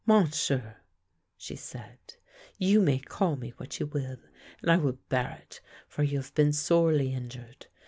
" Monsieur," she said, " you may call me what you will, and I will bear it, for you have been sorely injured.